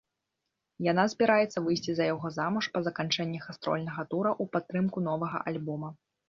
Яна збіраецца выйсці за яго замуж па заканчэнні гастрольнага тура ў падтрымку новага альбома.